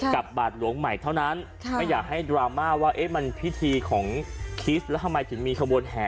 บาทหลวงใหม่เท่านั้นไม่อยากให้ดราม่าว่ามันพิธีของคิสแล้วทำไมถึงมีขบวนแห่